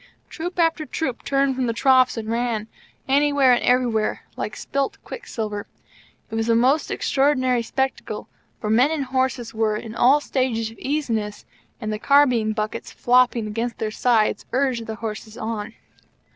Troop after troop turned from the troughs and ran anywhere, and everywhere like spit quicksilver. It was a most extraordinary spectacle, for men and horses were in all stages of easiness, and the carbine buckets flopping against their sides urged the horses on.